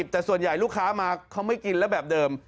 แต่ส่วนใหญ่ลูกค้ามาเขาไม่กินแล้วแบบเดิม